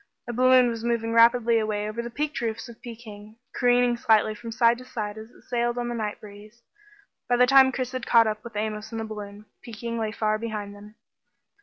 A balloon was moving rapidly away over the peaked curved roofs of Peking, careening slightly from side to side as it sailed on the night breeze. By the time Chris had caught up with Amos in the balloon, Peking lay far behind them.